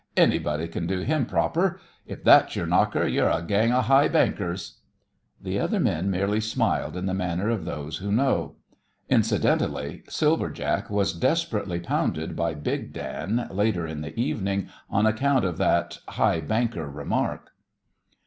"Anybody can do him proper. If that's your 'knocker,' you're a gang of high bankers." The other men merely smiled in the manner of those who know. Incidentally Silver Jack was desperately pounded by Big Dan, later in the evening, on account of that "high banker" remark.